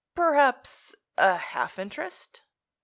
"Perhaps a half interest."